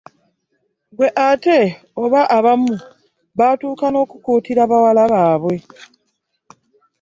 Ggwe ate oba abamu batuuka n’okukuutira bawala baabwe.